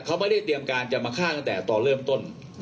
เขาไม่ได้เตรียมการจะมาฆ่าตั้งแต่ตอนเริ่มต้น